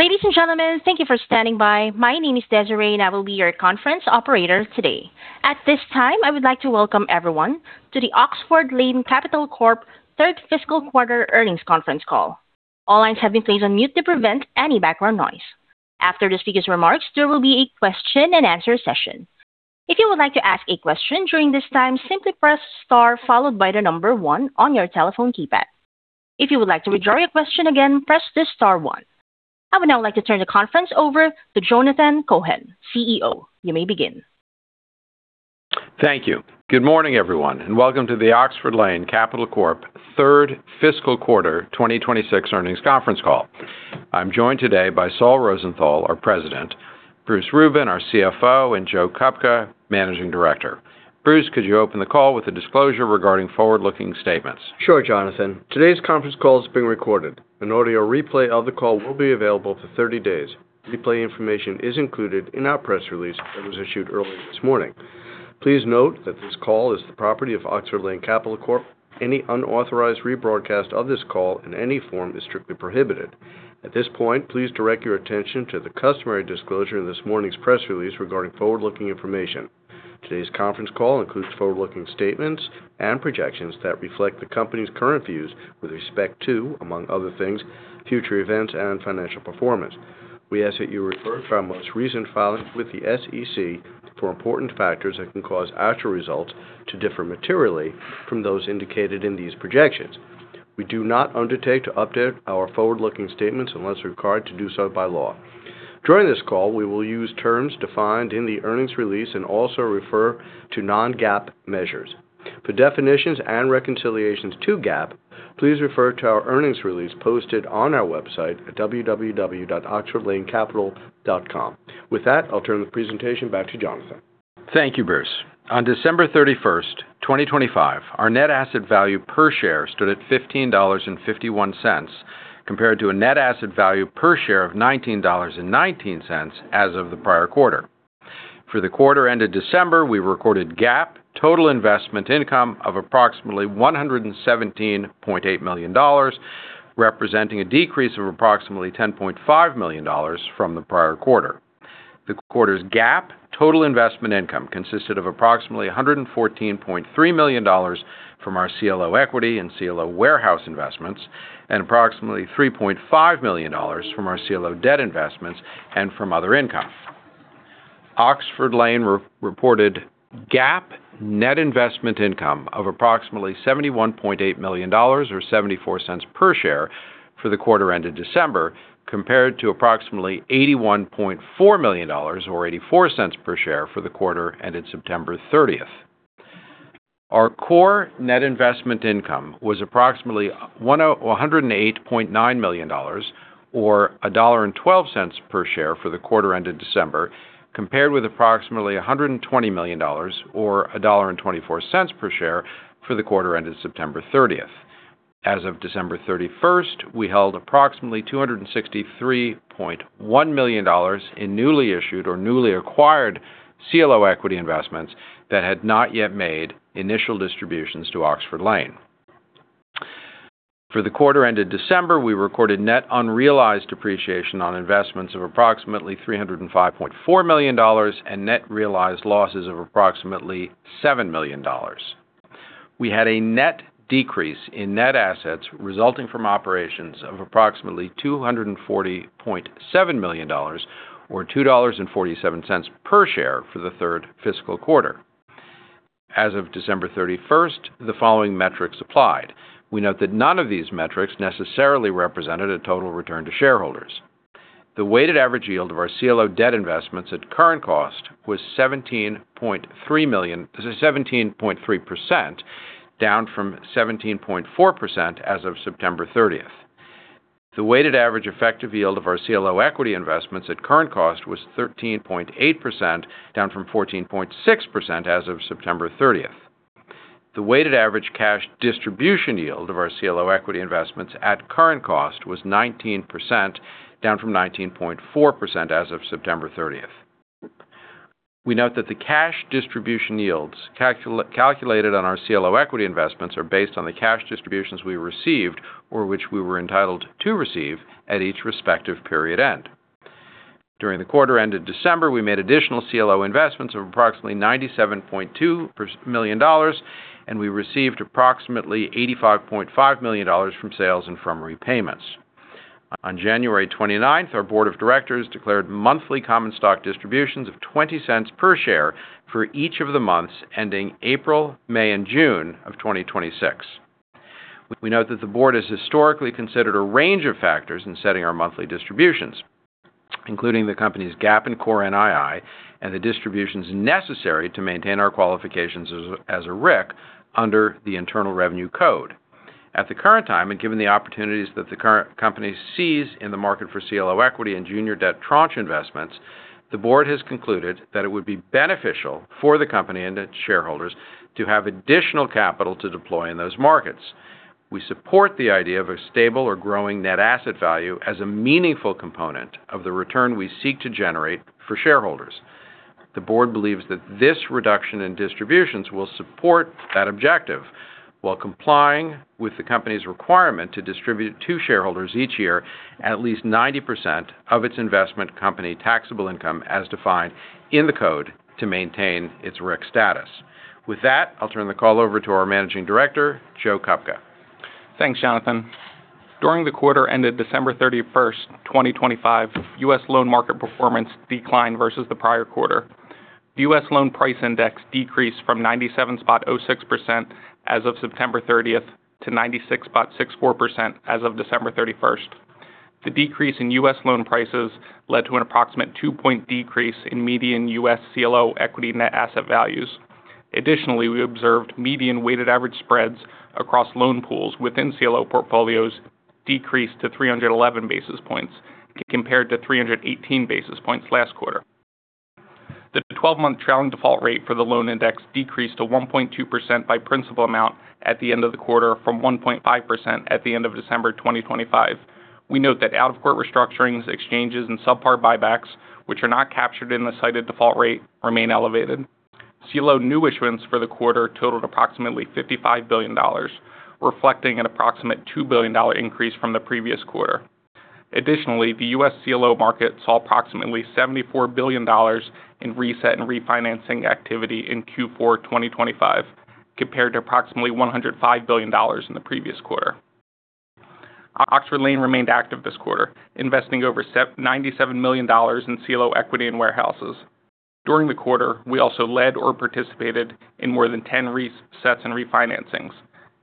Ladies and gentlemen, thank you for standing by. My name is Desiree, and I will be your conference operator today. At this time, I would like to welcome everyone to the Oxford Lane Capital Corp. Third Fiscal Quarter Earnings Conference Call. All lines have been placed on mute to prevent any background noise. After the speaker's remarks, there will be a question and answer session. If you would like to ask a question during this time, simply press Star followed by the number one on your telephone keypad. If you would like to withdraw your question again, press the Star one. I would now like to turn the conference over to Jonathan Cohen, CEO. You may begin. Thank you. Good morning, everyone, and welcome to the Oxford Lane Capital Corp. Third Fiscal Quarter 2026 earnings conference call. I'm joined today by Saul Rosenthal, our President, Bruce Rubin, our CFO, and Joe Kupka, Managing Director. Bruce, could you open the call with a disclosure regarding forward-looking statements? Sure, Jonathan. Today's conference call is being recorded. An audio replay of the call will be available for 30 days. Replay information is included in our press release that was issued earlier this morning. Please note that this call is the property of Oxford Lane Capital Corp. Any unauthorized rebroadcast of this call in any form is strictly prohibited. At this point, please direct your attention to the customary disclosure in this morning's press release regarding forward-looking information. Today's conference call includes forward-looking statements and projections that reflect the company's current views with respect to, among other things, future events and financial performance. We ask that you refer to our most recent filing with the SEC for important factors that can cause actual results to differ materially from those indicated in these projections. We do not undertake to update our forward-looking statements unless we're required to do so by law. During this call, we will use terms defined in the earnings release and also refer to non-GAAP measures. For definitions and reconciliations to GAAP, please refer to our earnings release posted on our website at www.oxfordlanecapital.com. With that, I'll turn the presentation back to Jonathan. Thank you, Bruce. On December 31, 2025, our net asset value per share stood at $15.51, compared to a net asset value per share of $19.19 as of the prior quarter. For the quarter ended December, we recorded GAAP total investment income of approximately $117.8 million, representing a decrease of approximately $10.5 million from the prior quarter. The quarter's GAAP total investment income consisted of approximately $114.3 million from our CLO equity and CLO warehouse investments and approximately $3.5 million from our CLO debt investments and from other income. Oxford Lane re-reported GAAP net investment income of approximately $71.8 million or $0.74 per share for the quarter ended December, compared to approximately $81.4 million or $0.84 per share for the quarter ended September 30. Our core net investment income was approximately $108.9 million or $1.12 per share for the quarter ended December, compared with approximately $120 million or $1.24 per share for the quarter ended September 30. As of December 31, we held approximately $263.1 million in newly issued or newly acquired CLO equity investments that had not yet made initial distributions to Oxford Lane. For the quarter ended December, we recorded net unrealized depreciation on investments of approximately $305.4 million and net realized losses of approximately $7 million. We had a net decrease in net assets resulting from operations of approximately $240.7 million or $2.47 per share for the third fiscal quarter. As of December 31st, the following metrics applied. We note that none of these metrics necessarily represented a total return to shareholders. The weighted average yield of our CLO debt investments at current cost was 17.3%, down from 17.4% as of September 30th. The weighted average effective yield of our CLO equity investments at current cost was 13.8%, down from 14.6% as of September 30th. The weighted average cash distribution yield of our CLO equity investments at current cost was 19%, down from 19.4% as of September 30. We note that the cash distribution yields calculated on our CLO equity investments are based on the cash distributions we received or which we were entitled to receive at each respective period end. During the quarter ended December, we made additional CLO investments of approximately $97.2 million, and we received approximately $85.5 million from sales and from repayments. On January 29, our board of directors declared monthly common stock distributions of $0.20 per share for each of the months ending April, May, and June of 2026. We note that the board has historically considered a range of factors in setting our monthly distributions, including the company's GAAP and core NII and the distributions necessary to maintain our qualifications as a RIC under the Internal Revenue Code. At the current time, and given the opportunities that the current company sees in the market for CLO equity and junior debt tranche investments, the board has concluded that it would be beneficial for the company and its shareholders to have additional capital to deploy in those markets. We support the idea of a stable or growing net asset value as a meaningful component of the return we seek to generate for shareholders. The board believes that this reduction in distributions will support that objective, while complying with the company's requirement to distribute to shareholders each year at least 90% of its investment company taxable income, as defined in the Code, to maintain its RIC status. With that, I'll turn the call over to our Managing Director, Joe Kupka. Thanks, Jonathan. During the quarter ended December 31st, 2025, US loan market performance declined versus the prior quarter. The US loan price index decreased from 97.06% as of September 30th to 96.64% as of December 31st. The decrease in US loan prices led to an approximate 2-point decrease in median US CLO equity net asset values. Additionally, we observed median weighted average spreads across loan pools within CLO portfolios decreased to 311 basis points, compared to 318 basis points last quarter. The 12-month trailing default rate for the loan index decreased to 1.2% by principal amount at the end of the quarter from 1.5% at the end of December 2025. We note that out-of-court restructurings, exchanges, and subpar buybacks, which are not captured in the cited default rate, remain elevated. CLO new issuance for the quarter totaled approximately $55 billion, reflecting an approximate $2 billion increase from the previous quarter. Additionally, the U.S. CLO market saw approximately $74 billion in reset and refinancing activity in Q4 2025, compared to approximately $105 billion in the previous quarter. Oxford Lane remained active this quarter, investing over $97 million in CLO equity and warehouses. During the quarter, we also led or participated in more than 10 resets and refinancings,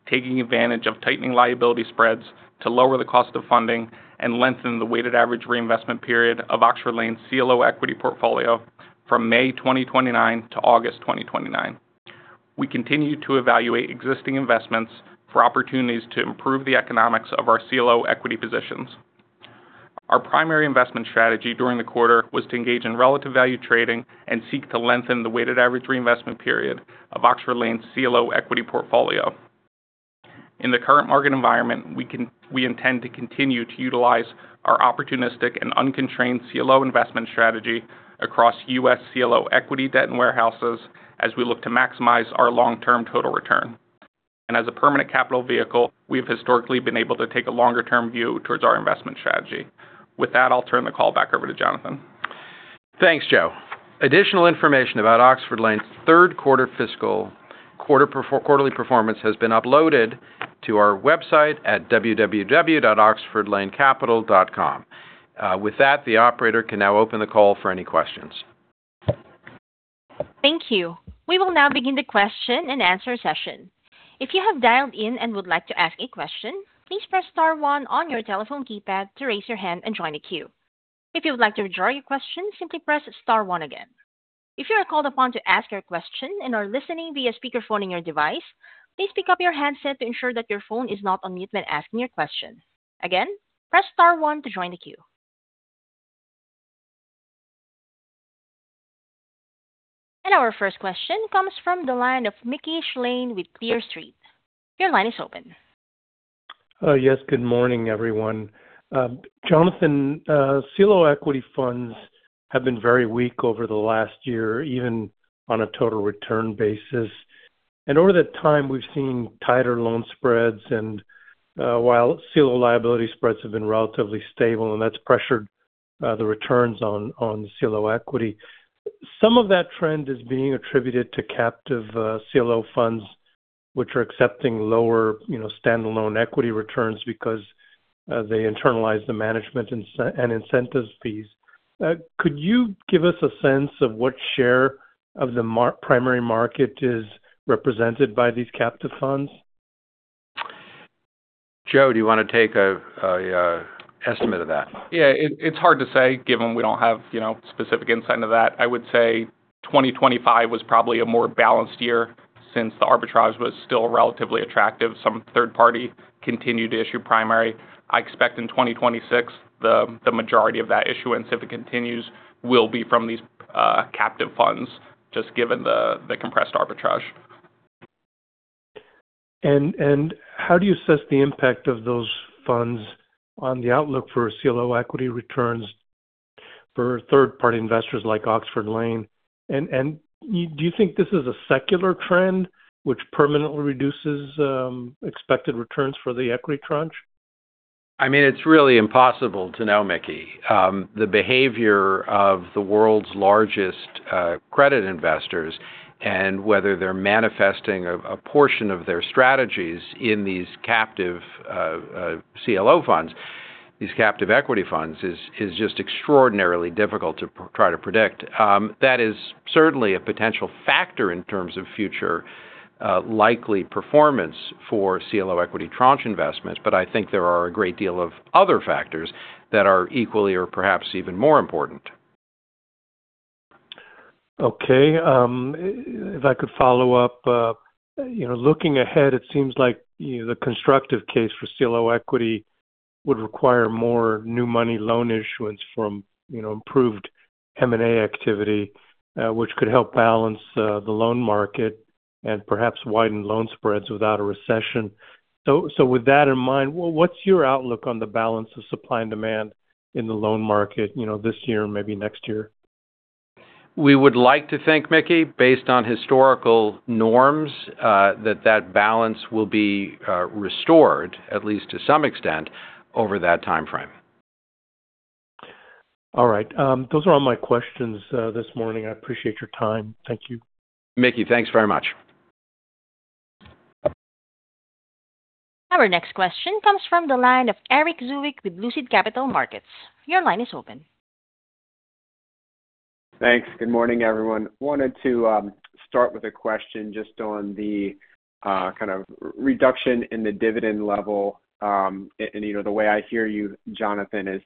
taking advantage of tightening liability spreads to lower the cost of funding and lengthen the weighted average reinvestment period of Oxford Lane's CLO equity portfolio from May 2029 to August 2029. We continue to evaluate existing investments for opportunities to improve the economics of our CLO equity positions. Our primary investment strategy during the quarter was to engage in relative value trading and seek to lengthen the weighted average reinvestment period of Oxford Lane's CLO equity portfolio. In the current market environment, we intend to continue to utilize our opportunistic and unconstrained CLO investment strategy across U.S. CLO equity, debt, and warehouses as we look to maximize our long-term total return. And as a permanent capital vehicle, we've historically been able to take a longer term view towards our investment strategy. With that, I'll turn the call back over to Jonathan. Thanks, Joe. Additional information about Oxford Lane's third quarter fiscal quarterly performance has been uploaded to our website at www.oxfordlanecapital.com. With that, the operator can now open the call for any questions. Thank you. We will now begin the question and answer session. If you have dialed in and would like to ask a question, please press star one on your telephone keypad to raise your hand and join the queue. If you would like to withdraw your question, simply press star one again. If you are called upon to ask your question and are listening via speakerphone in your device, please pick up your handset to ensure that your phone is not on mute when asking your question. Again, press star one to join the queue. Our first question comes from the line of Mickey Schleien with Ladenburg Thalmann. Your line is open. Yes, good morning, everyone. Jonathan, CLO equity funds have been very weak over the last year, even on a total return basis. Over that time, we've seen tighter loan spreads, and while CLO liability spreads have been relatively stable, and that's pressured the returns on CLO equity. Some of that trend is being attributed to captive CLO funds, which are accepting lower, you know, standalone equity returns because they internalize the management and incentives fees. Could you give us a sense of what share of the primary market is represented by these captive funds? Joe, do you wanna take a estimate of that? Yeah, it's hard to say, given we don't have, you know, specific insight into that. I would say 2025 was probably a more balanced year since the arbitrage was still relatively attractive. Some third party continued to issue primary. I expect in 2026, the majority of that issuance, if it continues, will be from these captive funds, just given the compressed arbitrage. How do you assess the impact of those funds on the outlook for CLO equity returns for third-party investors like Oxford Lane? And do you think this is a secular trend which permanently reduces expected returns for the equity tranche? I mean, it's really impossible to know, Mickey. The behavior of the world's largest credit investors and whether they're manifesting a portion of their strategies in these captive CLO funds, these captive equity funds, is just extraordinarily difficult to predict. That is certainly a potential factor in terms of future likely performance for CLO equity tranche investments, but I think there are a great deal of other factors that are equally or perhaps even more important. Okay, if I could follow up, you know, looking ahead, it seems like, you, the constructive case for CLO equity would require more new money loan issuance from, you know, improved M&A activity, which could help balance the loan market... and perhaps widened loan spreads without a recession. So, with that in mind, what's your outlook on the balance of supply and demand in the loan market, you know, this year and maybe next year? We would like to think, Mickey, based on historical norms, that that balance will be restored, at least to some extent, over that timeframe. All right, those are all my questions, this morning. I appreciate your time. Thank you. Mickey, thanks very much. Our next question comes from the line of Erik Zwick with Lucid Capital Markets. Your line is open. Thanks. Good morning, everyone. Wanted to start with a question just on the kind of reduction in the dividend level. And you know, the way I hear you, Jonathan, is,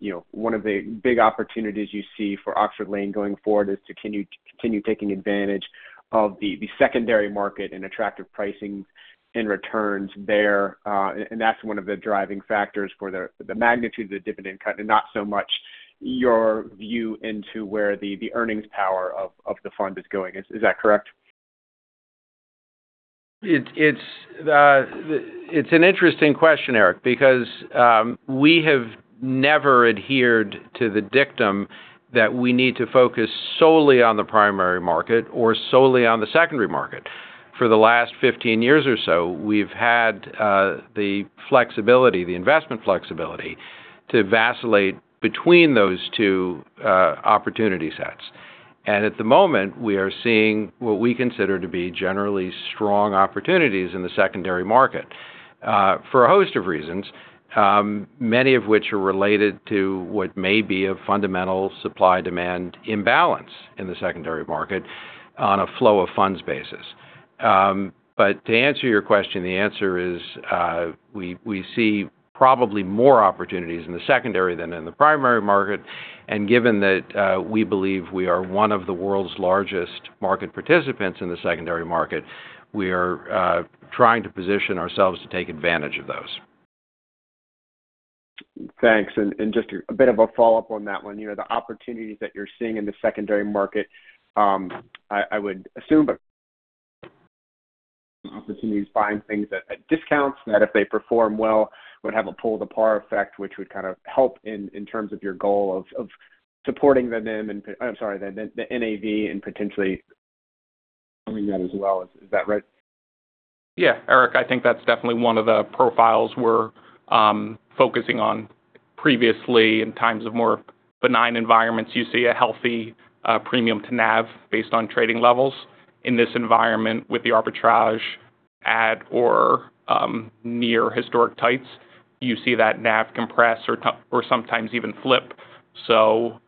you know, one of the big opportunities you see for Oxford Lane going forward is to continue, continue taking advantage of the secondary market and attractive pricing and returns there. And that's one of the driving factors for the magnitude of the dividend cut, and not so much your view into where the earnings power of the fund is going. Is that correct? It's an interesting question, Erik, because we have never adhered to the dictum that we need to focus solely on the primary market or solely on the secondary market. For the last 15 years or so, we've had the flexibility, the investment flexibility, to vacillate between those two opportunity sets. At the moment, we are seeing what we consider to be generally strong opportunities in the secondary market. For a host of reasons, many of which are related to what may be a fundamental supply-demand imbalance in the secondary market on a flow of funds basis. To answer your question, the answer is, we see probably more opportunities in the secondary than in the primary market. Given that, we believe we are one of the world's largest market participants in the secondary market, we are trying to position ourselves to take advantage of those. Thanks. And just a bit of a follow-up on that one. You know, the opportunities that you're seeing in the secondary market, I would assume but opportunities buying things at discounts that if they perform well, would have a pull to par effect, which would kind of help in terms of your goal of supporting the NIM and... I'm sorry, the NAV and potentially doing that as well. Is that right? Yeah, Eric, I think that's definitely one of the profiles we're focusing on. Previously, in times of more benign environments, you see a healthy premium to NAV based on trading levels. In this environment, with the arbitrage at or near historic tights, you see that NAV compress or sometimes even flip. So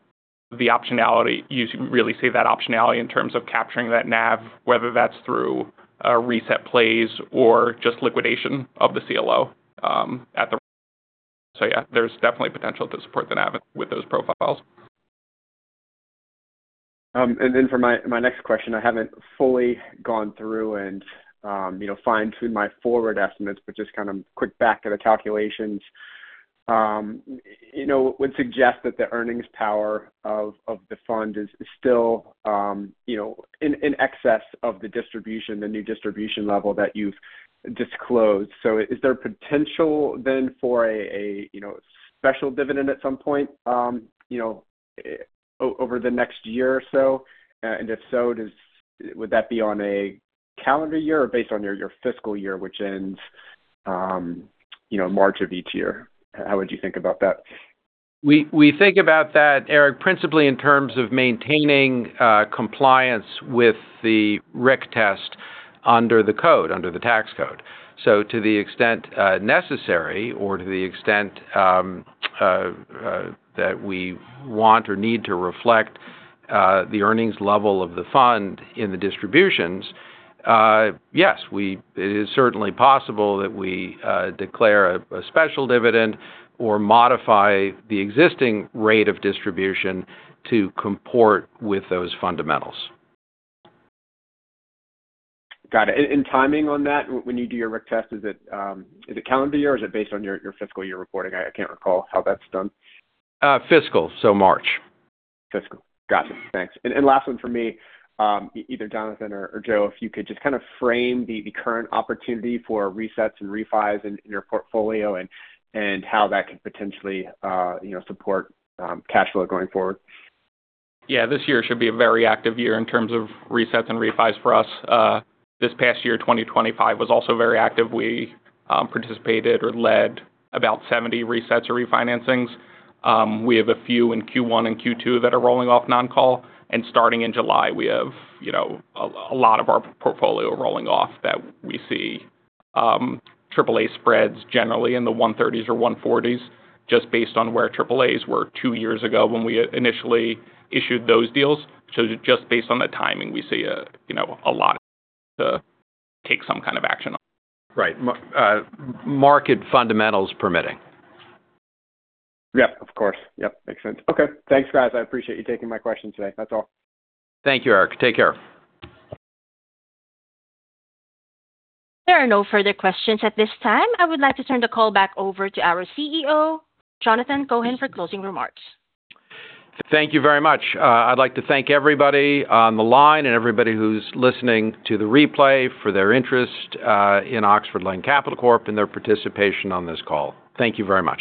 the optionality, you really see that optionality in terms of capturing that NAV, whether that's through reset plays or just liquidation of the CLO at the... So yeah, there's definitely potential to support the NAV with those profiles. And then for my next question, I haven't fully gone through and, you know, fine-tuned my forward estimates, but just kind of quick back of the calculations. You know, would suggest that the earnings power of the fund is still, you know, in excess of the distribution, the new distribution level that you've disclosed. So is there potential then for a, you know, special dividend at some point, you know, over the next year or so? And if so, would that be on a calendar year or based on your fiscal year, which ends, you know, March of each year? How would you think about that? We think about that, Erik, principally in terms of maintaining compliance with the RIC test under the code, under the tax code. So to the extent necessary or to the extent that we want or need to reflect the earnings level of the fund in the distributions, yes, it is certainly possible that we declare a special dividend or modify the existing rate of distribution to comport with those fundamentals. Got it. And timing on that, when you do your RIC test, is it calendar year, or is it based on your fiscal year reporting? I can't recall how that's done. Fiscal, so March. Fiscal. Got it. Thanks. And last one for me. Either Jonathan or Joe, if you could just kind of frame the current opportunity for resets and refis in your portfolio and how that could potentially, you know, support cash flow going forward. Yeah, this year should be a very active year in terms of resets and refis for us. This past year, 2025, was also very active. We participated or led about 70 resets or refinancings. We have a few in Q1 and Q2 that are rolling off non-call, and starting in July, we have, you know, a lot of our portfolio rolling off that we see triple-A spreads generally in the 130s or 140s, just based on where triple-As were two years ago when we initially issued those deals. So just based on the timing, we see a, you know, a lot to take some kind of action on. Right. Market fundamentals permitting. Yeah, of course. Yep, makes sense. Okay, thanks, guys. I appreciate you taking my questions today. That's all. Thank you, Erik. Take care. There are no further questions at this time. I would like to turn the call back over to our CEO, Jonathan Cohen, for closing remarks. Thank you very much. I'd like to thank everybody on the line and everybody who's listening to the replay for their interest in Oxford Lane Capital Corp and their participation on this call. Thank you very much.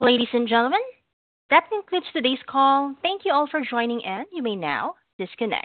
Ladies and gentlemen, that concludes today's call. Thank you all for joining in. You may now disconnect.